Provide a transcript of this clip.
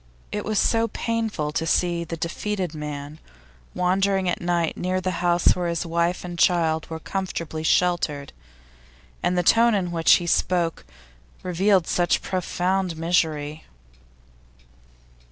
It was so painful to see the defeated man wandering at night near the house where his wife and child were comfortably sheltered; and the tone in which he spoke revealed such profound misery.